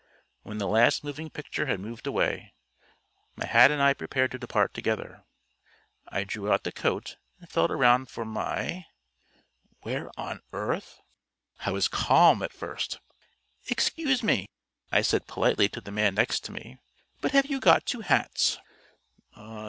When the last moving picture had moved away, my hat and I prepared to depart together. I drew out the coat and felt around for my Where on earth.... I was calm at first. "Excuse me," I said politely to the man next to me, "but have you got two hats?"